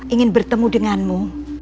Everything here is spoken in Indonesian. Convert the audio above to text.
ingin bertemu denganmu